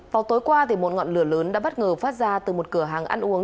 vào tối qua một ngọn lửa lớn đã bất ngờ phát ra từ một cửa hàng ăn uống